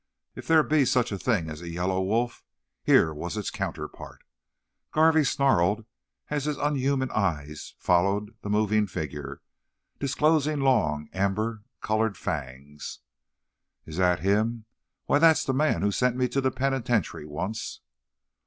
If there be such a thing as a yellow wolf, here was its counterpart. Garvey snarled as his unhuman eyes followed the moving figure, disclosing long, amber coloured fangs. "Is that him? Why, that's the man who sent me to the pen'tentiary once!"